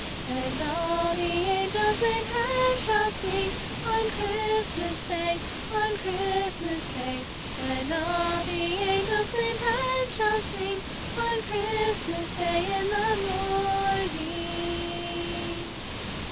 And all the angels in heaven shall sing On Christmas day, on Christmas day; And all the angels in heaven shall sing On Christmas day in the morning.